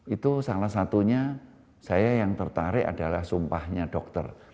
itu salah satunya saya yang tertarik adalah sumpahnya dokter